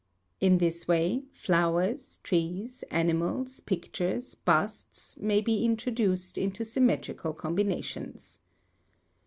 In this way, flowers, trees, animals, pictures, busts, may be introduced into sym metrical combinations.